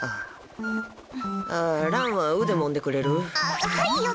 ああ、蘭は腕もんでくれる？